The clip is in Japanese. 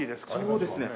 そうですね。